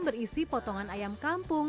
berisi potongan ayam kampung